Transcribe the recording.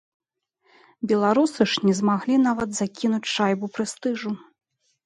Беларусы ж не змаглі нават закінуць шайбу прэстыжу.